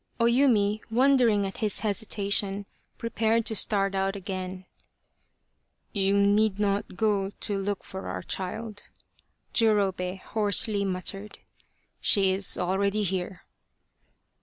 34 The Quest of the Sword O Yumi, wondering at his hesitation, prepared to start out again. " You need not go to look for our child !" Jurobei hoarsely muttered. " She is already here